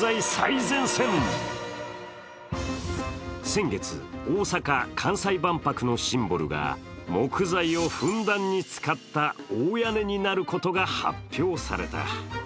先月、大阪・関西万博のシンボルが木材をふんだんに使った大屋根になることが発表された。